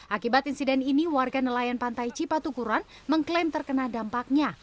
akibat insiden ini warga nelayan pantai cipatukuran mengklaim terkena dampaknya